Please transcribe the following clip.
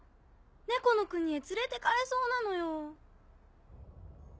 猫の国へ連れて行かれそうなのよ。